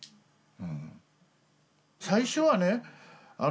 最初はね